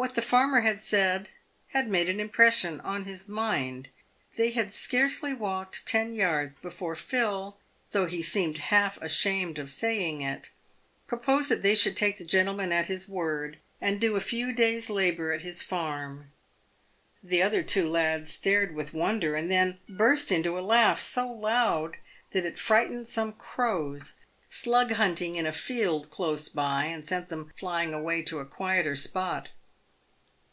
What the farmer had said had made an impression on his mind. They had scarcely walked ten yards before Phil — though he seemed half ashamed of saying it — proposed that they should take the gentleman at his word, and do a few days' labour at his farm. The other two lads stared with w r Onder, and then burst into a laugh so loud that it frightened some crows slug hunting in a field close by, and sent them flying away to a quieter spot.